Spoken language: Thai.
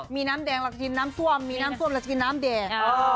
มีน้ำแดงเรากินน้ำซ่วมมีน้ำส้มเราจะกินน้ำแดง